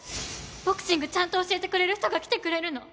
ボクシングちゃんと教えてくれる人が来てくれるの。